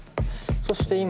そして今。